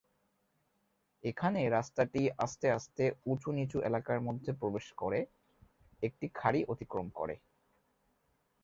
এখানে রাস্তাটি আস্তে আস্তে উচু-নিচু এলাকার মধ্যে প্রবেশ করে, একটি খাঁড়ি অতিক্রম করে।